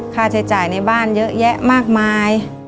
ค่าใช้จ่ายในบ้านเยอะแยะมากมาย